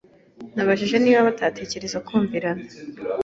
Nababajije niba bazatekereza kumvikana.